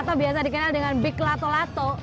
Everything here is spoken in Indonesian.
atau biasa dikenal dengan big lato lato